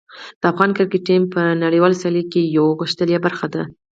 د افغان کرکټ ټیم په نړیوالو سیالیو کې یوه غښتلې برخه ده.